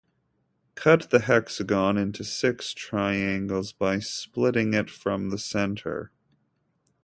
Cut the hexagon into six triangles by splitting it from the center.